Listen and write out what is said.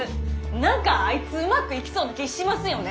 何かあいつうまくいきそうな気ぃしますよね。